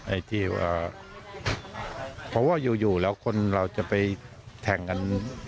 ไอ้ที่ว่าเพราะว่าอยู่แล้วคนเราจะไปแข่งกัน